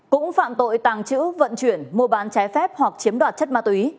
cũng phạm tội tàng trữ vận chuyển mua bán trái phép hoặc chiếm đoạt chất ma túy